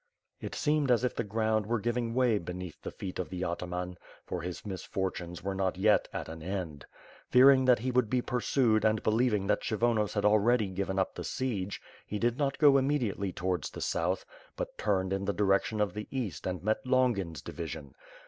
It seemed as if the ground were giving way beneath the feet of the ataman, for his misfortunes were not yet at an end. Fearing that he would be pursued and believing that Kshyronos had already given up the sifege, he did not go immediately towards the south, but turned in the direction of the east and met Longin's division.